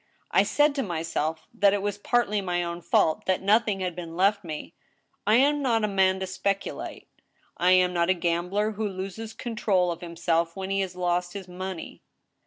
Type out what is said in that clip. ... I said to myself that it was partly my own fault that nothing had been left me. I am not a man to speculate, I am not a gambler who loses control of liimself when he has lost his money."